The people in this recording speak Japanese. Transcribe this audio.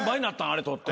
あれ取って。